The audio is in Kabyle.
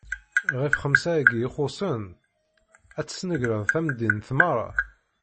Ɣef xemsa-agi ixuṣṣen, ad tesnegreḍ tamdint meṛṛa?